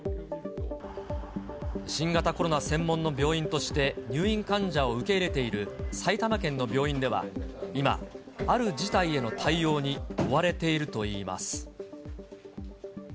新型コロナ専門の病院として、入院患者を受け入れている埼玉県の病院では、今、ある事態への対応に追われているといいます。